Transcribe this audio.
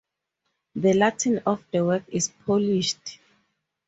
The Latin of the work is polished.